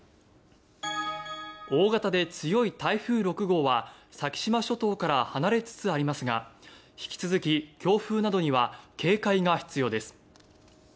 大型で強い台風６号は先島諸島から離れつつありますが引き続き、強風などには警戒が必要です。